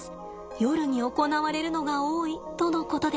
夜に行われるのが多いとのことです。